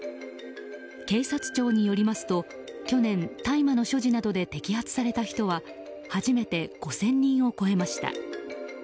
警察庁によりますと去年、大麻の所持などで摘発された人は初めて５０００人を超えました。